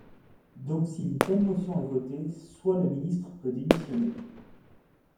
Donc si une telle motion est votée, soit le ministre peut démissionner.